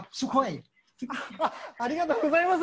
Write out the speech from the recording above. ありがとうございます。